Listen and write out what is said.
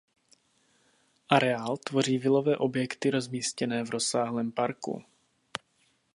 Areál tvoří vilové objekty rozmístěné v rozsáhlém parku.